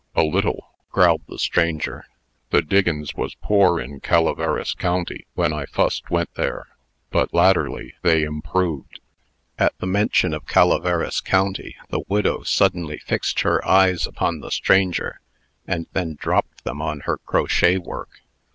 "A little," growled the stranger. "The diggins was poor in Calaveras County when I fust went there, but latterly they improved." At the mention of Calaveras County, the widow suddenly fixed her eyes upon the stranger, and then dropped them on her crotchet work.